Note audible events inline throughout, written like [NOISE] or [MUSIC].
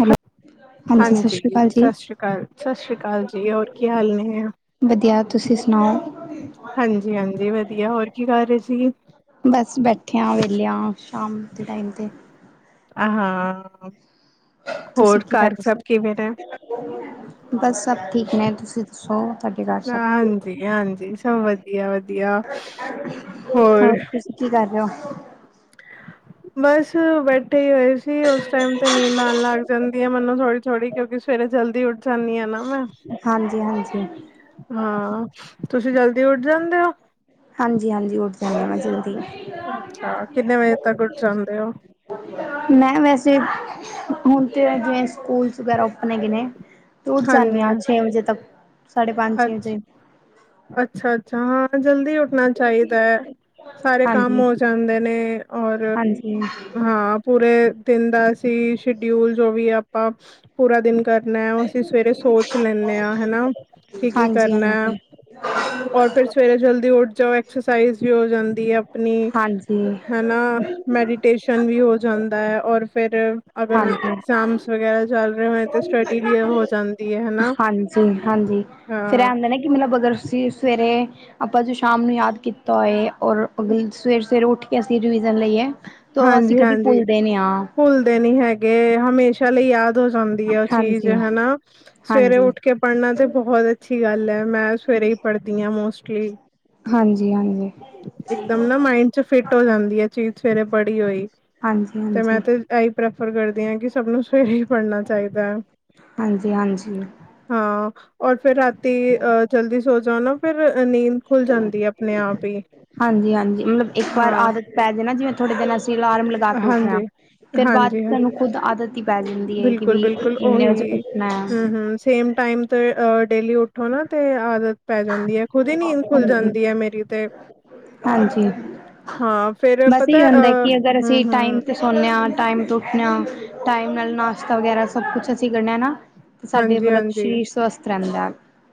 Hello. ਸਤਿ ਹਾਂਜੀ ਸ਼੍ਰੀ ਅਕਾਲ ਜੀ ਸਤਿ ਸ਼੍ਰੀ ਅਕਾਲ ਸਤਿ ਸ਼੍ਰੀ ਅਕਾਲ ਜੀ ਹੋਰ ਕੀ ਹਾਲ ਨੇ। ਵਧੀਆ ਤੁਸੀਂ ਸਬ ਹਾਂਜੀ ਹਾਂਜੀ ਵਧੀਆ ਹੋਰ ਕੀ ਕਰ ਰਹੇ ਸੀ। ਬਸ ਬੈਠੇ ਹਾ ਵੇਲੇ ਹਾ ਸ਼ਾਮ ਦੇ ਟਾਈਮ ਤੇ। ਆਹ ਹਾਂ ਤੁਸੀ ਹੋਰ ਕੀ ਘਰ ਸਭ ਕਰਦੇ ਕਿਵੇਂ ਨੇ? ਬਸ ਸਭ ਠੀਕ ਨੇ ਤੁਸੀ ਦੱਸੋ ਤੁਹਾਡੇ ਘਰ ਸਭ ਹਾਂਜੀ ਹਾਂਜੀ ਸਭ ਵਧੀਆ ਵਧੀਆ ਹੋਰ ਕੀ ਕਰ ਰਹੇ ਹੋ। ਬਸ ਬੈਠੇ ਹੀ ਹੋਏ ਸੀ ਉਸ ਟਾਈਮ ਤੇ ਨੀਂਦ ਆਉਣ ਲੱਗ ਜਾਂਦੀ ਹੈ। ਮੈਨੂੰ ਥੋੜੀ ਥੋੜ੍ਹੀ ਕਿਉਕਿ ਸਵੇਰੇ ਜਲਦੀ ਉਠ ਜਾਣੀ ਆ ਨਾ ਮੈ। ਹਾਂਜੀ ਹਾਂਜੀ। ਹਾਂ ਤੁਸੀ ਜਲਦੀ ਉਡ ਜਾਂਦੇ ਹੋ। ਹਾਂਜੀ ਹਾਂਜੀ ਉਠ ਜਾਂਦਾ ਮੈ ਜਲਦੀ। ਅਛਾ ਕਿੰਨੇ ਵਜੇ- ਤੱਕ ਉੱਠ ਜਾਂਦੇ ਹੋ? [UNINTELLIGIBLE] ਮੈਂ ਵੈਸੇ ਹੁਣ ਤੇ ਜਿਵੇ ਸਕੂਲਸ ਵਗੈਰਾ ਓਪਨ ਹੈਗੇ ਨੇ। ਤੋ ਉੱਠ ਹਾਂਜੀ, ਜਾਂਣੀਆ ਹਾਂ ਛੇ ਵਜੇ ਤੱਕ ਸਾਢੇ ਪੰਜ ਛੇ ਵਜੇ। ਅੱਛਾ ਅੱਛਾ ਹਾਂ ਜਲਦੀ ਉਠਨਾਂ ਚਾਹੀਦਾ ਹੈ ਸਾਰੇ ਕੰਮ ਹਾਂਜੀ ਹੋ ਜਾਂਦੇ ਨੇ। ਔਰ ਹਾਂਜੀ ਹਾਂਜੀ ਹਾਂ ਪੂਰੇ ਦਿਨ ਦਾ ਅਸੀਂ ਸ਼ਡਿਊਲ ਜੋ ਵੀ ਆਪਾਂ ਪੂਰਾ ਦਿਨ ਕਰਨਾ ਉਹ ਅਸੀਂ ਸਵੇਰੇ ਸੋਚ ਲੈਂਦੇ ਹਾਂ ਹਨਾ ਕੀ ਕੀ ਹਾਂਜੀ ਕਰਨਾ। ਔਰ ਫਿਰ ਸਵੇਰੇ ਜਲਦੀ ਉੱਠ ਜਾਓ ਐਕਸਰਸਾਈਜ਼ ਵੀ ਹੋ ਜਾਂਦੀ ਹੈ ਆਪਣੀ ਹਾਂਜੀ ਹ। ਨਾਲ ਮੈਡੀਟੇਸ਼ਨ ਵੀ ਹੋ ਜਾਂਦਾ ਹੈ ਔਰ। ਫਿਰ ਅਗਰ ਹਾਂਜੀ ਇਗਜ਼ਾਮਸ ਵਗੈਰਾ ਚੱਲ ਰਹੇ ਹੋਏ ਤਾਂ ਸਟੱਡੀ ਵੀ ਹੋ ਜਾਂਦ। ਹਾਂਜੀ ਹਾਂਜੀ ਫੇਰ ਇਹ ਹਾਂ ਔਦਾ ਨਾ ਕਿ ਮਤਲਬ ਅਗਰ ਤੁਸੀਂ ਸਵੇਰੇ। ਆਪਾਂ ਜੋ ਸ਼ਾਮ ਨੂੰ ਯਾਦ ਕੀਤਾ ਹੋਏ ਔਰ ਅਗਲੇ ਦਿਨ ਸਵੇਰ ਸਵੇਰ ਉੱਠ ਕੇ ਅਸੀਂ ਰਿਵੀਜ਼ਨ ਲਈਏ। ਤੋ ਅਸੀਂ ਹਾਂਜੀ ਕਦੀ ਹਾਂਜੀ ਭੁੱਲਦੇ ਨੇ ਹਾਂ। ਭੁੱਲਦੇ ਨੀ ਹੈਗੇ ਹਮੇਸ਼ਾ ਲਈ ਯਾਦ ਹੋ ਜਾਂਦੀ ਹੈ ਉਹ ਚੀਜ਼ ਹਾਂਜੀ ਹੈਨਾ। ਸਵੇਰੇ ਹਾਂਜੀ ਉੱਠ ਕੇ ਪੜ੍ਹਨਾ ਤਾਂ ਬਹੁਤ ਅੱਛੀ ਗੱਲ ਹੈ ਮੈਂ ਸਵੇਰੇ ਹੀ ਪੜ੍ਹਦੀ ਹਾਂ ਮੋਸਟਲੀ। ਹਾਂਜੀ ਹਾਂਜੀ। ਇੱਕ ਦਮ ਨਾ ਮਾਇੰਡ ਚ ਫਿਟ ਹੋ ਜਾਂਦੀ ਆ ਚੀਜ਼ ਸਵੇਰੇ ਪੜੀ ਹੋਈ ਹਾਂਜੀ ਤੇ ਹਾਂਜੀ ਮੈਂ ਤੇ। ਇਹੀ ਪ੍ਰੈਫਰ ਕਰਦੀ ਹਾਂ ਕਿ ਸਭ ਨੂੰ ਸਵੇਰੇ ਹੀ ਪੜ੍ਹਨਾ ਚਾਹੀਦਾ ਹੈ। ਹਾਂਜੀ ਹਾਂ ਔਰ ਫੇਰ ਰਾਤੀ ਅਹ ਜਲਦੀ ਸੋ ਜਾਓ ਨਾ ਫਿਰ ਨੀਂਦ ਖੁੱਲ ਜਾਂਦੀ ਹੈ। ਆਪਣੇ ਆਪ ਹੀ। ਹਾਂਜੀ-ਹਾਂਜੀ ਮਤਲਬ ਇੱਕ ਵਾਰ ਹਾਂ ਆਦਤ ਪੈ ਜੇ ਨਾ ਜਿਵੇਂ ਥੋੜੇ ਦਿਨ ਅਸੀਂ ਅਲਾਰਮ ਲ ਕੇ ਉੱਠਨਾ ਹਾਂਜੀ, ਫੇਰ ਬਾਅਦ ਹਾਂਜੀ ਹਾਂ। ਤੁਹਾਨੂੰ ਖੁਦ ਆਦਤ ਪੈ ਜਾਦੀ ਹੈ ਕਿ ਵੀ ਬਿਲਕੁਲ-ਬਿਲਕੁਲ ਇੰਨੇ ਵਜੇ ਉਹੀ। ਉੱਠਣੈ। ਹੂੰ-ਹੂੰ ਸੇਮ ਟਾਈਮ ਤਾਂ ਡੇਲੀ ਉੱਠੋ ਨਾ ਤੇ ਆਦਤ ਪੈ ਜਾਂਦੀ ਹੈ ਖੁਦ ਹੀ ਨੀਂਦ ਖੁੱਲ ਹਾਂਜੀ ਜਾਂਦੀ ਹੈ ਮੇਰੀ ਤੇ। ਹਾਂਜੀ ਹਾਂ, ਫੇਰ ਬਸ ਪਤਾ ਇਹ ਹੈ, ਹੁੰਦਾ ਅ ਕਿ ਅਗਰ ਅਸੀਂ ਟਾਈਮ ਹੂੰ-ਹੂੰ, ਤੇ ਸੋਂਨੇ ਆਂ ਟਾਈਮ ਤੋਂ ਉੱਠਣੇ ਆਂ ਟਾਈਮ ਨਾਲ ਨਾਸ਼ਤਾ ਵਗੈਰਾ ਸਭ ਕੁਛ ਅਸੀਂ ਕਰਨੇ ਆਂ ਨਾ। ਤੇ ਸਾਡੇ ਮਤਲਬ ਹਾਂਜੀ-ਹਾਂਜੀ ਸਰੀਰ ਸਵਸਥ ਰਹਿੰਦਾ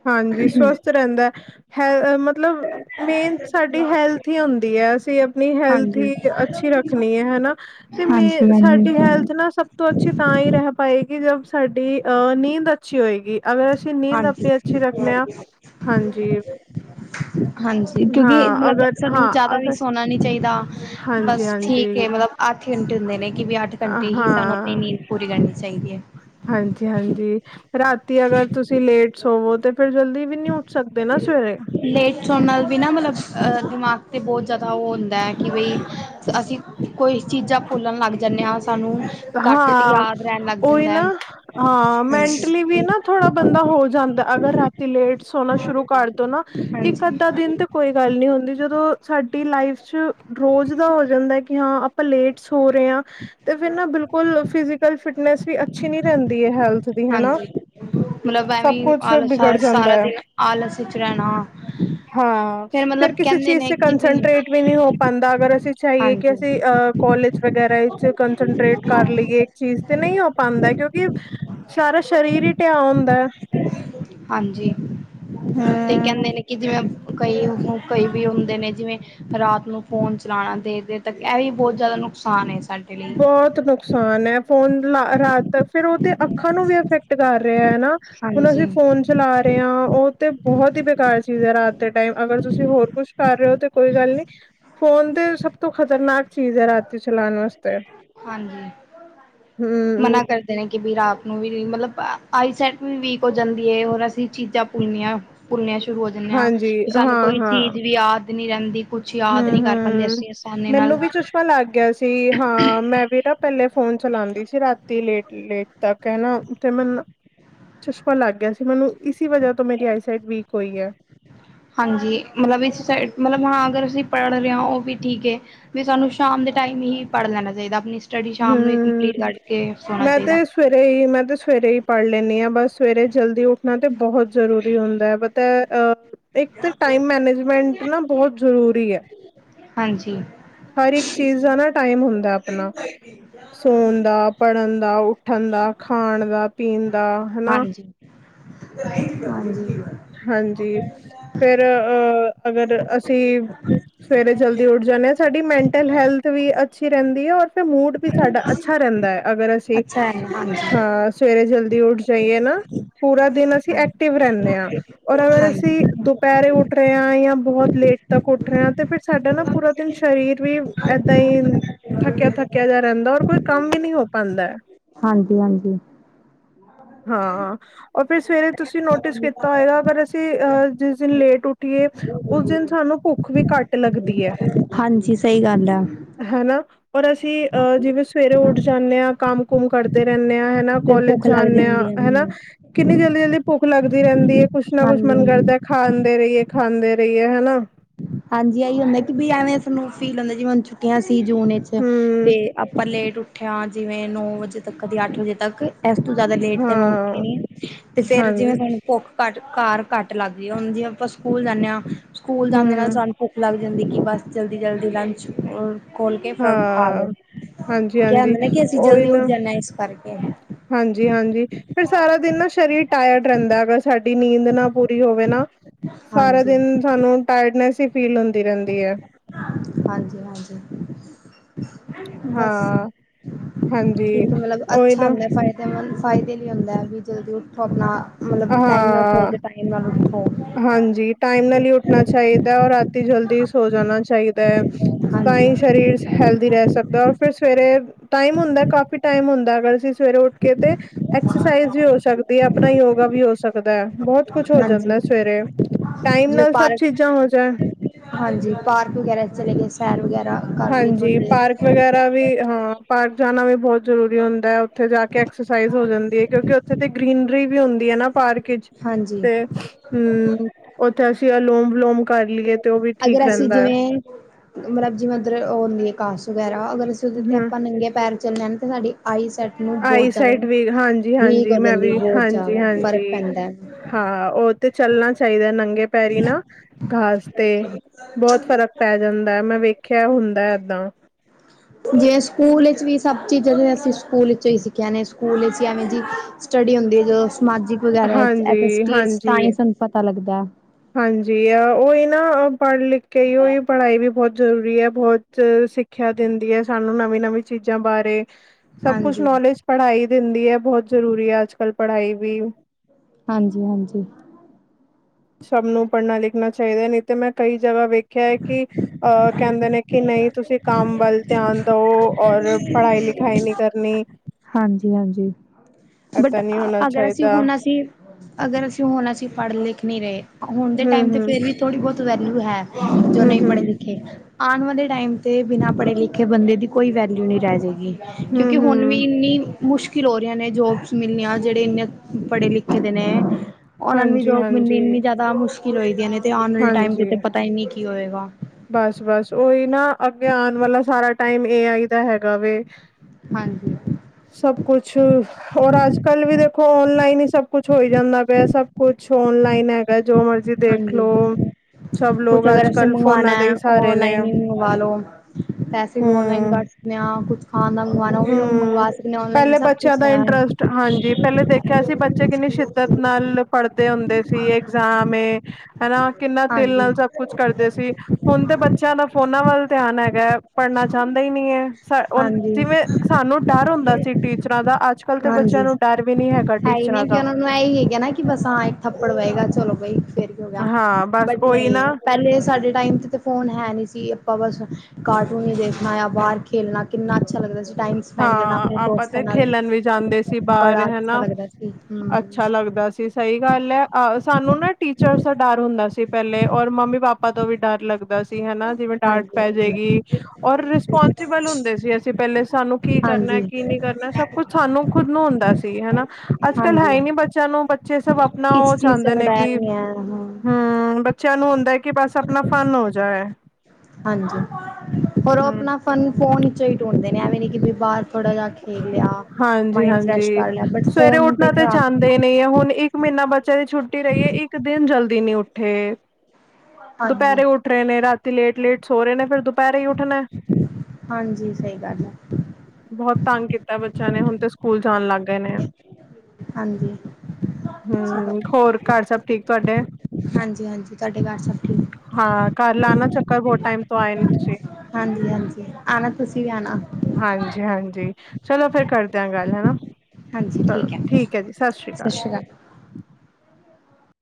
ਹਾਂਜੀ ਸਵਸਥ ਰਹਿੰਦੈ। ਹੈਲ ਮਤਲਬ ਮੇਨ ਸਾਡੀ ਹੈਲਥ ਹੀ ਹੁੰਦੀ ਹੈ ਅਸੀਂ ਆਪਣੀ ਹੈਲਥ ਹਾਂਜੀ ਹੀ ਅੱਛੀ ਰੱਖਣੀ ਹੈ ਹਨਾ ਤੇ ਹਾਂਜੀ ਮੇਨ ਹਾਂਜੀ ਸਾਡੀ ਹੈਲਥ ਸਭ ਤੋਂ ਅੱਛੀ ਤਾਂ ਹੀ ਰਹਿ ਪਾਏਗੀ, ਜਬ ਸਾਡੀ ਅਅ, ਨੀਂਦ ਅੱਛੀ ਹੋਏਗੀ। ਅਗਰ ਨੀਂਦ ਹਾਂਜੀ ਆਪਣੀ ਅੱਛੀ ਰੱਖਣੇ ਆ, ਹਾਂਜੀ। ਹਾਂਜੀ ਕਿਉਂਕਿ ' ਹਾਂ [INAUDIBLE] ਅਗਰ ' ਸਭ ਨੂੰ ਹਾਂ ਜ਼ਿਆਦਾ ਅਗਰ ਵੀ ਸੋਣਾ ਨੀ ਚਾਹੀਦਾ। ਬਸ ਹਾਂਜੀ-ਹਾਂਜੀ, ਠੀਕ ਏ, ਮਤਲਬ ਅੱਠ ਘੰਟੇ ਹੁੰਦੇ ਨੇ ਕਿ ਵੀ ਅੱਠ ਘੰਟੇ ਹੀ ਸਾਨੂੰ ਆਪਣੀ ਹਾਂ, ਨੀਂਦ ਪੂਰੀ ਕਰਨੀ ਚਾਹੀਦੀ ਐ। ਹਾਂਜੀ-ਹਾਂਜੀ। ਰਾਤੀ ਅਗਰ ਤੁਸੀਂ ਲੇਟ ਸੋਵੋ ਤੇ ਫਿਰ ਜਲਦੀ ਵੀ ਨੀ ਸਕਦੇ ' ਨਾ [INAUDIBLE] ਸਵੇਰੇ। ' ਲੇ ' [UNINTELLIGIBLE] ਸੋਣ ਨਾਲ ਵੀ ਨਾ ਮਤਲਬ ਅ, ਦਿਮਾਗ 'ਤੇ ਬਹੁਤ ਜ਼ਿਆਦਾ ਓ ਹੁੰਦਾ ਹੈ ਕਿ ਬਈ ਅਸੀਂ ਕੋਈ ਚੀਜ਼ਾਂ ਭੁੱਲਣ ਲੱਗ ਜਾਂਣੇ ਆਂ। ਸਾਨੂੰ ਘੱਟ ਹਾਂ, ਯਾਦ ਰਹਿਣ ਲੱਗ ਉਹੀ ਜਾਂਦਾ ਹੈ ਨਾ। ਹਾਂ, ਮੈਂਟਲੀ ਵੀ ਨਾ ਥੋੜ੍ਹਾ ਬੰਦਾ ਹੋ ਜਾਂਦਾ। ਅਗਰ ਰਾਤੀ ਲੇਟ ਸੋਣਾ ਸ਼ੁਰੂ ਕਰ ਦੋ ਨਾ। ਹਾਂਜੀ ਇੱਕ-ਅੱਧਾ ਦਿਨ ਤੇ ਕੋਈ ਗੱਲ ਨੀ ਹੁੰਦੀ। ਜਦੋਂ ਸਾਡੀ ਲਾਈਫ 'ਚ ਰੋਜ਼ ਦਾ ਹੋ ਜਾਂਦਾ ਕਿ ਹਾਂ ਲੇਟ ਸੋ ਰਹੇ ਆ ਤੇ ਫਿਰ ਨਾ ਬਿਲਕੁਲ ਫਿਜ਼ਕਲ ਫਿਟਨੈਸ ਵੀ ਅੱਛੀ ਨੀ ਰਹਿੰਦੀ ਹੈਲਥ ਦੀ ਹਨਾ। ਹਾਂਜੀ ਮਤਲਬ ਐਵੇਂ ਸਭ ਕੁਛ ਆਲਸ ਬਿਗੜ ਜਾਂਦਾ ਸਾਰਾ ਹੈ। ਦਿਨ ਆਲਸ ਵਿਚ ਰਹਿਣਾ ਹਾਂ ਫੇਰ ਮਤਲਬ ਕਿਸੇ ਕਹਿੰਦੇ ਚੀਜ਼ ਨੇ ਚ ਕਿ ਕੰਸਟਰੇਟ ਵੀ ਨਹੀਂ ਹੋ ਪਾਂਦਾ ਅਗਰ ਅਸੀਂ ਚਾਹੀਏ ਕਿ ਹਾਂਜੀ ਅਸੀਂ ਅ ਕੋਲਜ ਵਗੈਰਾ ਵਿੱਚ ਕੰਸਟਰੇਟ ਕਰ ਲਈਏ ਇੱਕ ਚੀਜ਼ ਤੇ ਨਹੀਂ ਹੋ ਪਾਦੈ ਕਿਉਂਕਿ ਸਾਰਾ ਸਰੀਰ ਹੀ ਢਿਆ ਹੁੰਦੈ। ਹਾਂਜੀ ਤੇ ਹੂੰ ਕਹਿੰਦੇ ਨੇ ਕਿ ਜਿਵੇਂ ਕਈ ਕਈ ਵੀ ਹੁੰਦੇ ਨੇ ਜਿਵੇਂ ਰਾਤ ਨੂੰ ਫੋਨ ਚਲਾਣਾ ਦੇਰ-ਦੇਰ ਤੱਕ ਇਹ ਵੀ ਬਹੁਤ ਜ਼ਿਆਦਾ ਨੁਕਸਾਨ ਏ ਸਾਡ ਬਹੁਤ ਨੁਕਸਾਨ ਹੈ ਫੋਨ ਲ ਰਾਤ ਤੱਕ ਫੇਰ ਉਹ ਤੇ ਅੱਖਾਂ ਨੂੰ ਵੀ ਅਫੈਕਟ ਕਰ ਰਿਹੈ। ਹਨਾ ਹੁਣ ਅਸੀਂ ਹਾਂਜੀ ਫੋਨ ਚਲਾ ਰਹੇ ਹਾਂ ਉਹ ਤੇ ਬਹੁਤ ਹੀ ਬੇਕਾਰ ਚੀਜ਼ ਹੈ ਰਾਤ ਦੇ ਟਾਈਮ ਅਗਰ ਤੁਸੀਂ ਹੋਰ ਕੁਛ ਕਰ ਰਹੇ ਹੋ ਤੇ ਕੋਈ ਗੱਲ ਨਹੀਂ ਫੋਨ ਤੇ ਸਭ ਤੋਂ ਖ਼ਤਰਨਾਕ ਚੀਜ਼ ਹੈ ਰਾਤੀ ਚਲਾਣ ਵਾਸਤੇ। ਹਾਂਜੀ। ਮਨਾ ਹੂੰ ਕਰ ਨੇ ਕੀ ਵੀ ਰਾਤ ਨੂੰ ਵੀ ਮਤਲਬ ਅ, ਆਈਸੈਟ ਵੀ ਵੀਕ ਹੋ ਜਾਂਦੀ ਏ। ਹੋਰ ਅਸੀਂ ਚੀਜ਼ਾਂ ਭੁੱਲਣੀਆਂ ਭੁੱਲਨੀਆਂ ਸ਼ੁਰੂ ਹੋ ਜਾਂਣੇ ਹਾਂ ਹਾਂਜੀ ਕੀ ਸਾਨੂੰ ਹਾਂ ਕੋਈ ਚੀਜ਼ ਵੀ ਯਾਦ ਨੀ ਰਹਿੰਦੀ। ਕੁਛ ਯਾਦ ਨਹੀਂ ਕਰ ਪਾਉਂਦੇ ਹਮ-ਹਮ, ਅਸੀਂ ਆਸਾਨੀ ਮੈਂਨੂੰ ਵੀ ਚਸ਼ਮਾ ਲੱਗ ਗਿਆ ਸੀ ਹਾਂ। ' [INAUDIBLE] ਮੈਂ ਵੀ ਨਾ ਪਹਿਲੇ ਫ਼ੋਨ ਚਲਾਣਦੀ ਸੀ। ਰਾਤੀ ਲੇਟ, ਲੇਟ ਤੱਕ ਹੈ ਨਾ। ਤੇ ਮੈਂ ਚਸ਼ਮਾ ਲੱਗ ਗਿਆ ਸੀ ਮੈਂਨੂੰ। ਇਸੀ ਵਜ਼ਾ ਤੋਂ ਮੇਰੀ ਆਈਸਾਈਟ ਵੀਕ ਹੋਈ ਹੈ। ਹਾਂਜੀ। ਮਤਲਬ ਇਸ ਸਾਇਡ, ਮਤਲਬ ਹਾਂ ਅਗਰ ਅਸੀਂ ਪੜ੍ਹ ਰਹੇ ਆਂ, ਉਹ ਵੀ ਠੀਕ ਏ। ਵੀ ਸਾਨੂੰ ਸ਼ਾਮ ਦੇ ਟਾਈਮ ਹੀ ਪੜ੍ਹ ਲੈਣਾ ਚਾਹੀਦਾ। ਆਪਣੀ ਸਟੱਡੀ ਸ਼ਾਮ ਨੂੰ ਹੀ ਹੂੰ ਕੰਪਲੀਟ ਕਰਕੇ ਸੋਣਾ ਮੈਂ ਚਾਹੀਦਾ। ਤੇ ਸਵੇਰੇ ਹੀ। ਮੈਂ ਤੇ ਸਵੇਰੇ ਹੀ ਪੜ੍ਹ ਲੈਂਣੀ ਹਾਂ ਬਸ। ਸਵੇਰੇ ਜ਼ਲਦੀ ਉੱਠਣਾ ਤੇ ਬਹੁਤ ਜ਼ਰੂਰੀ ਹੁੰਦੈ ਪਤੈ ਅ, ਇੱਕ ਤੇ ਟਾਈਮ ਮੈਨੇਜ਼ਮੈਂਟ ' [UNINTELLIGIBLE] ' ਬਹੁਤ ਜ਼ਰੂਰੀ ਹੈ। ਹਾਂਜੀ। ਹਰ ਇੱਕ ਚੀਜ਼ ਦਾ ਨਾ ਟਾਈਮ ਹੁੰਦੈ ਆਪਣਾ। ਸੋਣ ਦਾ, ਪੜਨ ਦਾ, ਉੱਠਣ ਦਾ, ਖਾਣ ਦਾ, ਪੀਣ ਦਾ। ਹਨਾ ਹਾਂਜੀ। ' [INAUDIBLE] ' ਹਾਂਜੀ। ਹਾਂਜੀ, ਫਿਰ ਅਗਰ ਅਸੀਂ ਸਵੇਰੇ ਜ਼ਲਦੀ ਉੱਠ ਜਾਂਣੇ ਆ, ਸਾਡੀ ਮੈਂਟਲ ਹੈਲਥ ਵੀ ਅੱਛੀ ਰਹਿੰਦੀ ਐ, ਔਰ ਫ਼ਿਰ ਮੂਡ ਵੀ ਸਾਡਾ ਅੱਛਾ ਰਹਿੰਦਾ ਐ। ਅਗਰ, ਅਸੀਂ ਅੱਛਾ ਹੈ ਹਾਂਜੀ ਹਾਂ ਸਵੇਰੇ, ਜ਼ਲਦੀ ਉੱਠ ਜਾਈਏ ਨਾ, ਪੂਰਾ ਦਿਨ ਅਸੀਂ ਹਾਂਜੀ ਐਕਟਿਵ ਰਹਿੰਣੇ ਆਂ। ਔਰ ਅਗਰ, ਅਸੀਂ ਦੁਪਹਿਰੇ ਉੱਠ ਰਹੇ ਆਂ, ਜਾਂ ਬਹੁਤ ਲੇਟ ਤੱਕ ਉੱਠ ਰਹੇ ਹਾਂ, ਤੇ ਫਿਰ ਸਾਡਾ ਨਾ ਪੂਰਾ ਦਿਨ, ਸ਼ਰੀਰ ਵੀ ਐਦਾਂ ਹੀ ਥੱਕਿਆਂ-ਥੱਕਿਆਂ ਜਿਆ ਰਹਿੰਦਾ, ਔਰ ਕੋਈ ਕੰਮ ਵੀ ਨਹੀਂ ਹੋ ਪਾਂਦਾ ਹਾਂਜੀ-ਹਾਂਜੀ ਹਾਂ-ਹਾਂ, ਔਰ ਫ਼ਿਰ ਸਵੇਰੇ ਤੁਸੀਂ, ਨੋਟਿਸ ਹੋਏਗਾ, ਪਰ ਅਸੀਂ, ਜਿਸ ਦਿਨ ਲੇਟ ਉੱਠੀਏ ਉਸ ਦਿਨ, ਸਾਨੂੰ ਭੁੱਖ ਵੀ ਘੱਟ ਲੱਗਦੀ ਏ ਹਾਂਜੀ, ਸਹੀ ਗੱਲ ਆ ਹਨਾ ਔਰ ਅਸੀਂ ਅਹ ਜਿਵੇਂ, ਸਵੇਰੇ ਉੱਠ ਜਾਂਦੇ ਹਾਂ ਕੰਮ ਕੰਮ -ਕੁੰਮ ਕਰਦੇ ਰਹਿੰਦੇ ਹਾਂ ਹਨਾ, ਫਿਰ ਕੋਲਜ ਭੁੱਖ ਲੱਗ ਜਾਂਨੇ ਹਾਂ ਜਾਂਦੀ ਹੈ ਹਨਾ ਹਮ ਕਿੰਨੀ ਜਲਦੀ ਜਲਦੀ ਭੁੱਖ ਲੱਗਦੀ ਰਹਿੰਦੀ, ਹੈ ਕੁਛ ਨਾ, ਕੁਛ ਹਾਂਜੀ ਮਨ ਹਾਂਜੀ ਕਰਦਾ, ਖਾਂਦੇ ਰਹੀਏ ਖਾਂਦੇ ਰਹੀਏ, ਹਨਾ ਹਾਂਜੀ, ਇਹੀ ਹੁੰਦਾ ਕਿ ਵੀ ਐਵੇਂ ਸਾਨੂੰ ਫੀਲ, ਹੁੰਦਾ ਜਿਵੇਂ ਛੁੱਟੀਆਂ ਸੀ ਜੂਨ ਵਿੱਚ ਹਮ ਤੇ ਆਪਾਂ ਲੇਟ ਉੱਠੇ ਜਿਵੇਂ, ਨੌ ਵਜੇ ਤੱਕ, ਕਦੀ ਅੱਠ ਵਜੇ ਤੱਕ ਇਸ ਤੋਂ ਜ਼ਿਆਦਾ, ਲੇਟ ਤੇ ਮੈਂ ਉਠੀ ਹਾਂ ਨਈ ਤੇ ਫੇਰ ਜਿਵੇਂ ਹਾਂਜੀ ਤੁਾਨੂੰ ਭੁੱਖ ਘੱਟ, ਘਰ ਘੱਟ ਲੱਗਦੀ, ਹੁਣ ਜੇ ਆਪਾਂ ਸਕੂਲ ਜਾਂਣੇ ਆ ਸਕੂਲ ਜਾਂਨੇ ਹਮ ਲੱਗ ਜਾਂਦੀ ਕਿ, ਬਸ ਜਲਦੀ- ਜਲਦੀ ਲੰਚ ਖੋਲ ਕੇ ਫਿਰ ਖਾਂ ਲੋ ਹਾਂ ਹਾਂਜੀ ਹਾਂਜੀ ਕਿਹਦੇ ਨੇ ਕਿ, ਅਸੀਂ ਉਹੀ ਜਲਦੀ ਉੱਠ, ਨਾ ਜਾਂਣੇ ਹਾ ਇਸ ਕਰਕੇ ਹਾਂਜੀ-ਹਾਂਜੀ। ਫਿਰ ਸਾਰਾ ਦਿਨ ਨਾ ਸ਼ਰੀਰ ਟਾਇਰਡ ਰਹਿੰਦਾ ਹੈ, ਅਗਰ ਸਾਡੀ ਨੀਂਦ ਨਾ ਪੂਰੀ ਹੋਵੇ ਨਾ। ਸਾਰਾ ਹਾਂਜੀ ਦਿਨ, ਸਾਨੂੰ ਟਾਇਰਡਨੈਸ ਹੀ, ਫੀਲ ਹੁੰਦੀ ਰਹਿੰਦੀ ਐ। ਹਾਂਜੀ-ਹਾਂਜੀ। ਬਸ, ਹਾਂ ਠੀਕ ਹਾਂਜੀ ਹੈ। ਮਤਲਬ ਉਹੀ ਅੱਛਾ ਨਾ ਹੁੰਦਾ ਫਾਇ ਤੇ ਮੈਂਨੂੰ ਫ਼ਾਇਦੇ ਲਈ ਹੁੰਦਾ ਹੈ, ਵੀ, ਜ਼ਲਦੀ ਉੱਠੋ ਆਪਣਾ, ਮਤਲਬ ਟਾਈਮ ਨਾਲ '' ਹਾਂ ਤੇ ਟਾਈਮ ਨਾਲ ਉੱਠੋ। ਹਾਂਜੀ। ਟਾਈਮ ਨਾਲ ਹੀ ਉੱਠਣਾ ਚਾਹੀਦਾ, ਔਰ ਰਾਤੀ, ਜ਼ਲਦੀ ਸੋਂ ਜਾਣਾ ਚਾਹੀਦਾ ਐ। ' ਹਾਂਜੀ [UNINTELLIGIBLE] ' [INAUDIBLE] ਹੈਲਦੀ ਰਹਿ ਸਕਦਾ। ਔਰ ਫ਼ਿਰ ਸਵੇਰੇ ਟਾਈਮ ਹੁੰਦਾ, ਕਾਫ਼ੀ ਟਾਈਮ ਹੁੰਦਾ ਅਗਰ ਅਸੀਂ ਸਵੇਰੇ ਉੱਠ ਕੇ ਤੇ ਐਕਸਰਸਾਈਜ਼ ਵੀ ਹੋ ਸਕਦੀ ਐ, ਆਪਣਾ ਯੋਗਾ ਵੀ ਹੋ ਸਕਦਾ ਐ। ਬਹੁਤ ਕੁਛ ਹੋ ਹਾਂਜੀ ਜਾਂਦਾ ਸਵੇਰੇ, ਟਾਈਮ ਜਿਵੇਂ ਨਾਲ ਸਭ ਪਾਰਕ ਚੀਜ਼ਾਂ ਹੋ ਜਾਣ ਹਾਂਜੀ। ਪਾਰਕ ਵਗ਼ੈਰਾ, ਚਲੇ ਗਏ ਸੈਰ ਵਗ਼ੈਰਾ ਹਾਂਜੀ। ਪਾਰਕ ਵਗ਼ੈ ' ਐ ' ਵੀ ਹਾਂ, ਪਾਰਕ ਜਾਣਾ ਵੀ ਬਹੁਤ ਜ਼ਰੂਰੀ ਹੁੰਦਾ ਹੈ, ਉੱਥੇ ਜਾ ਕੇ ਐਕਸਰਸਾਈਜ਼ ਹੋ ਜਾਂਦੀ, ਹੈ ਕਿਉਂਕਿ ਤੇ, ਗ੍ਰਰੀਨਰੀ ਵੀ, ਹੁੰਦੀ ਹੈ ਨਾ ਪਾਰਕ ਹਾਂਜੀ ਤੇ ਹਮ, ਉੱਥੇ ਅਸੀਂ, ਅਲੋਮ ਬਲੋਮ ਕਰ ਲਈਏ ਤੇ ਉਹ ਵੀ ਠੀਕ ਅਗਰ, ਅਸੀਂ ਰਹਿੰਦਾ ਹੈ ਜਿਵੇਂ ਮਤਲਬ, ਜਿਵੇ -ਜਿਵੇ ਉਹ ਨੀਂ ਕਰ ਸਕਦਾ ਰਾ ਅਗਰ ਹਮ ਆਪਾਂ ਨੰਗੇ ਪੈਰ ਚੱਲਦੇ ਤੇ ਸ ਆਈਸੈਟ ਨੂੰ ਆਈ ਬਹੁਤ ਜਿਆਦਾ ਸਾਈਡ ਵੀ ਹਾਂਜੀ ਵੀਕ, ਹੋ ਹਾਂਜੀ ਮੈਂ ਜਾਂਦੀ ਵੀ ਬਹੁਤ ਹਾਂਜੀ ਜ਼ਿਆਦਾ ਫ਼ਰਕ ਹਾਂਜੀ ਪੈਂਦਾ ਹੈ ਹਾਂ, ਉਹ ਤੇ ਚੱਲਣਾ ਚਾਹੀਦਾ, ਨੰਗੇ ਪੈਰੀ ਨਾ ਘਾਸ ਤੇ ਬਹੁਤ, ਫ਼ਰਕ ਪੈ ਜਾਂਦਾ, ਹੈ ਮੈਂ ਵੇਖਿਆ ਹੁੰਦਾ ਏਦਾਂ ਜੇਵੇ ਸਕੂਲ ਵਿੱਚ ਵੀ, ਸਭ ਚੀਜ਼ਾਂ ਅਸੀਂ ਸਕੂਲ ਵਿੱਚੋਂ ਹੀ ਸਿੱਖਿਆ ਨੇ,, ਸਕੂਲ ਵਿੱਚ ਐਵੇਂ ਜੀ ਸਟੱਡੀ ਹੁੰਦੀ ਹੈ, ਜਦੋਂ ਸਮਾਜਿਕ ਵਗੈਰਾ ਐਸ ਹਾਂਜੀ ਟੀ, ਹਾਂਜੀ ਤਾਂ ਹੀ ਸਾਨੂੰ ਪਤਾ ਲੱਗਦਾ ਹੈ ਹਾਂਜੀ, ਆ ਉਹੀ ਨਾ ਪੜ੍ਹ ਲਿਖ ਕੇ ਹੀ, ਉਹੀ ਪੜ੍ਹਾਈ ਵੀ ਬਹੁਤ ਜ਼ਰੂਰੀ ਹੈ ਬਹੁਤ ਸਿੱਖ। ਸਿੱਖਿਆ ਦਿੰਦੀ ਹੈ, ਸਾਨੂੰ ਨਵੀਂ ਨਵੀਂ ਚੀਜ਼ਾਂ ਬਾਰੇ। ਸਭ ਕੁਛ, ਹਾਂਜੀ। ਨੌਲੇਜ ਪੜ੍ਹਾਈ ਦਿੰਦੀ ਹੈ ਬਹੁਤ ਜ਼ਰੂਰੀ ਹੈ ਅੱਜ -ਕੱਲ ਪੜ੍ਹਾਈ ਵੀ? ਹਾਂਜੀ -ਹਾਂਜੀ ਸਭ ਨੂੰ, ਪੜ੍ਹਨਾ ਲਿਖਣਾ ਚਾਹੀਦਾ ਏ, ਨਹੀਂ ਤੇ ਮੈਂ ਕਈ ਜਗ੍ਹਾ ਵੇਖਿਆ ਹੈ ਕਿ ਅਹ ਕਹਿੰਦੇ ਨੇ, ਕਿ ਨਹੀਂ ਤੁਸੀਂ ਕੰਮ ਵੱਲ ਧਿਆਨ ਦਓ, ਔਰ ਪੜ੍ਹਾਈ ਲਿਖਾਈ ਨਹੀਂ ਕਰਨੀਂ ਹਾਂਜੀ- ਹਾਂਜੀ ਬਟ ਏਦਾਂ ਨਹੀਂ ਹੋਣਾ ਅਗਰ ਅਸੀਂ ਚਾਹੀਦਾ ਹੁਣ ਅਸੀਂ ਅਗਰ ਅਸੀਂ ਹੁਣ ਅਸੀਂ ਪੜ੍ਹ ਲਿਖ ਨਹੀਂ ਰਹੇ, ਹੁਣ ਦੇ ਟਾਈਮ ਹਮ ਤੇ ਹਮ ਫਿਰ ਵੀ ਥੋੜ੍ਹੀ ਬਹੁਤ ਵੈਲਿਊ ਹੈ ਜੋ ਨਹੀਂ ਹਮ ਹਮ ਪੜੇਗੀ ਆਉਣ ਵਾਲੇ ਟਾਈਮ ਤੇ ਬਿਨਾਂ ਪੜ੍ਹੇ- ਲਿਖੇ ਬੰਦੇ ਦੀ ਕੋਈ ਵੈਲਿਊ ਨਹੀਂ ਰਹਿ ਜਾਏਗੀ ਕਿਉਂਕਿ ਹਮ ਹੁਣ ਵੀ ਹਮ ਇੰਨੀ ਮੁਸ਼ਕਿਲ ਹੋ ਰਹੀਆ ਨੇ ਜੋਬਸ ਮਿਲਣੀਆਂ ਜਿਹੜੇ ਇੰਨੇ ਪੜ੍ਹੇ ਲਿਖੇ ਦੇ ਨੇ ਉਹਨਾ ਨੂੰ ਵੀ ਹਾਂਜੀ ਜੋਬ ਮਿਲਣੀ ਹਾਂਜੀ ਇੰਨੀ ਜ਼ਿਆਦਾ ਮੁਸ਼ਕਿਲ ਹੋਦੀਆਂ ਨੇ ਤੇ ਆਉਣ ਵਾਲੇ ਟਾਈਮ ਤੇ ਪਤਾ ਹੀ ਨਹੀਂ ਕੀ ਹੋਏਗਾ ਬਸ- ਬਸ ਉਹੀ ਨਾ ਅੱਗੇ ਆਉਣ ਵਾਲਾ ਸਾਰਾ ਟਾਈਮ ਏ ਆਈ ਦਾ ਹੈਗਾ ਵੇ ਹਾਂਜੀ ਸਭ ਕੁਛ ਔਰ ਅੱਜ -ਕੱਲ੍ਹ ਵੀ ਦੇਖੋ ਔਨਲਾਈਨ ਹੀ ਸਭ ਕੁਛ ਹੋ ਜਾਂਦਾ ਪਿਆ ਸਭ ਕੁਛ ਔਨਲਾਈਨ ਹੈਗਾ ਜੋ ਮਰਜ਼ੀ ਦੇਖ ਹਾਂਜੀ ਲਓ, ਸਭ ਲੋਕ ਅਜ ਕੱਲ ਮੈਮ ਔਨਲਾਈਨ ਹੀ ਮੰਗਵਾਲੋ ਪੈਸੇ ਵੀ ਔਨਲਾਈਨ ਹੂੰ ਕਟਦੇ ਆਂ ਕੁਛ ਖਾਣ ਦਾ ਮੰਗਵਾਉਣਾ ਉਹ ਵੀ ਹੂੰ, ਮੰਗਵਾ ਸਕਦੇ ਹਾਂ ਔਨਲਾਈਨ ਪਹਿਲੇ ਸਭ ਬੱਚਿਆਂ ਕੁਛ ਦਾ ਹੈ। ਇੰਟਰਸਟ ਹਾਂਜੀ ਪਹਿਲੇ ਦੇਖਿਆ ਸੀ ਬੱਚੇ ਕਿੰਨੇ ਸ਼ਿੱਦਤ ਨਾਲ ਪੜ੍ਹਦੇ ਹੁੰਦੇ ਸੀ ਇਗਜ਼ਾਮ ਹਨਾ। ਕਿੰਨਾ ਦਿਲ ਹਾਂਜੀ, ਨਾਲ ਸਭ ਕੁੱਛ ਕਰ ਹੁੰਦੇ ਸੀ, ਹੁਣ ਤੇ ਬੱਚਿਆਂ ਦਾ ਫੋਨਾਂ ਵੱਲ ਧਿਆਨ ਹੈਗਾ ਪੜ੍ਹਨਾ ਚਾਹੁੰਦੇ ਹੀ ਨਹੀਂ ਹੈ। ਹਾਂਜੀ, ਜਿਵੇਂ ਸਾਨੂੰ ਡਰ ਹੁੰਦਾ ਸੀ ਟੀਚਰਾਂ ਦਾ ਅੱਜ -ਕੱਲ੍ਹ ਤਾਂ ਬੱਚਿਆਂ ਨੂੰ ਡਰ ਵੀ ਨੀ ਹੈਗਾ ਟੀਚਰਾਂ ਦਾ। ਮੈਂ ਇਹੀ ਹੈਗਾ ਨਾ ਕਿ ਬਸ ਹਾਂ ਇੱਕ ਥੱਪੜ ਪਏਗਾ ਚਲੋ ਬਈ ਫਿਰ ਕੀ ਹੋਇਆ, ਹਾਂ ਬਸ ਬਟ ਉਹੀ ਨਹੀਂ ਨਾ ਪਹਿਲੇ ਸਾਡੇ ਟਾਈਮ ਤੇ ਫੋਨ ਹੈ ਨਹੀਂ ਸੀ ਆਪਾਂ ਬਸ ਕਾਰਟੂਨ ਹੀ ਦੇਖਣਾ ਜਾਂ ਬਾਹਰ ਖੇਲਣਾ ਕਿੰਨਾ ਅੱਛਾ ਲੱਗਦਾ ਸੀ। ਟਾਈਮ ਸਪੈਂਡ ਕਰਨਾ ਹਾਂ ਆਪਣੇ ਆਪਾਂ ਦੋਸਤਾਂ ਤੇ ਨਾਲ। ਖੇਲਣ ਵੀ ਜਾਂਦੇ ਸੀ ਬਾਹਰ ਬੜਾ ਅੱਛਾ ਹਨਾ, ਲੱਗਦਾ ਸੀ ਹੂੰ ਅੱਛਾ ਲੱਗਦਾ ਸੀ ਸਹੀ ਗੱਲ ਹੈ ਅ ਸਾਨੂੰ ਨਾ ਟੀਚਰ ਦਾ ਡਰ ਹੁੰਦਾ ਸੀ ਪਹਿਲੇ ਔਰ ਮੰਮੀ- ਪਾਪਾ ਉਹਦੋ ਵੀ ਡਰ ਲੱਗਦਾ ਸੀ ਹਨਾ ਜਿਵੇਂ ਡਾਂਟ ਹਾਂਜੀ, ਪੈ ਜਾਏਗੀ ਹਾਂਜੀ, ਔਰ ਰਿਸਪੋਂਸੀਬਲ ਹੁੰਦੇ ਸੀ ਅਸੀਂ ਪਹਿਲੇ ਸਾਨੂੰ ਕੀ ਕਰਨਾ ਹਾਂਜੀ, ਕੀ ਨਹੀਂ ਕਰਨਾ ਸਭ ਕੁੱਛ ਸਾਨੂੰ ਖੁਦ ਨੂੰ ਹੁੰਦਾ ਸੀ ਹਨਾ ਅੱਜ ਕੱਲ੍ਹ ਹੈ ਹੀ ਹਾਂਜੀ। ਨਹੀਂ ਬੱਚਿਆਂ ਨੂੰ ਬੱਚੇ ਸਭ ਆਪਣਾ ਉਹ ਚਾਹੁੰਦੇ ਨੇ ਕਿ ਹਮ, ਹਮ ਹਮ ਬੱਚਿਆਂ ਨੂੰ ਹੁੰਦਾ ਹੈ ਕਿ ਬਸ ਆਪਣਾ ਫਨ ਹੋ ਜਾਏ ਹਾਂਜੀ, ਹੋਰ ਉਹ ਹਮ ਆਪਣਾ ਫਨ ਫੋਨ ਵਿਚੋਂ ਹੀ ਢੂੰਢਦੇ ਨੇ ਐਵੇਂ ਨੀ ਕਿ ਬਾਹਰ ਥੋੜ੍ਹਾ ਜਿਹਾ ਖੇਲ ਲਿਆ, ਮਾਈੰਡ ਫਰੈਸ਼ ਹਾਂਜੀ-ਹਾਂਜੀ। ਕਰ ਲਿਆ ਬਟ ਸਵੇਰੇ ਫੋਨ ਤੇ ਉੱਠਣਾ ਚਾਹੁੰਦੇ ਹੀ ਖਰਾਬ ਨਹੀਂ ਆ ਹੁਣ ਇੱਕ ਇਕ ਮਹੀਨਾ ਬੱਚਿਆਂ ਦੀ ਛੁੱਟੀ ਰਹੀਏ ਇੱਕ ਦਿਨ ਜਲਦੀ ਨਹੀ ਉੱਠੇ ਹਾਂਜੀ ਦੁਪਹਿਰੇ ਉੱਠ ਰਹੇ ਨੇ ਰਾਤੀ ਲੇਟ -ਲੇਟ ਸੋ ਰਹੇ ਨੇ ਫਿਰ ਦੁਪਹਿਰੇ ਹੀ ਉੱਠਣਾ। ਹਾਂਜੀ ਸਹੀ ਗੱਲ ਹੈ। ਬਹੁਤ ਤੰਗ ਕੀਤਾ ਬੱਚਿਆਂ ਨੇ ਹੁਣ ਤੇ ਸਕੂਲ ਜਾਣ ਲੱਗ ਗਏ ਨੇ। ਹਾਂਜੀ ਚਲੋ ਹਮ, ਹੋਰ ਘਰ ਸਭ ਠੀਕ ਤੁਹਾਡੇ? ਹਾਂਜੀ ਹਾਂਜੀ ਤੁਹਾਡੇ ਘਰ ਸਭ ਠੀਕ ਹਾਂ ਘਰ ਲਾਉਣਾ ਚੱਕਰ ਬਹੁਤ ਟਾਈਮ ਤੋਂ ਆਏ ਨੀ ਤੁਸੀਂ। ਹਾਂਜੀ -ਹਾਂਜੀ ਆਉਣਾ ਤੁਸੀਂ ਵੀ ਆਉਣਾ। ਹਾਂਜੀ -ਹਾਂਜੀ ਚਲੋ ਫੇਰ ਕਰਦੇ ਆਂ ਗੱਲ ਹਨਾ। ਚਲੋ, ਠੀਕ ਹੈ ਜੀ ਸਤਿ ਸ੍ਰੀ ਅਕਾਲ।